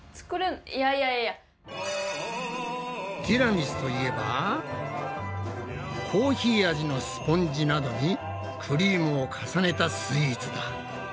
ティラミスといえばコーヒー味のスポンジなどにクリームを重ねたスイーツだ。